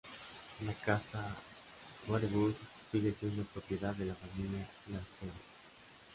La Casa Harewood sigue siendo propiedad de la familia Lascelles.